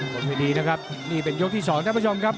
บนเวทีนะครับนี่เป็นยกที่สองท่านผู้ชมครับ